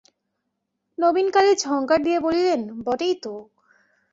নবীনকালী ঝংকার দিয়া বলিলেন, বটেই তো!